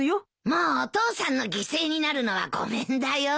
もうお父さんの犠牲になるのはごめんだよ。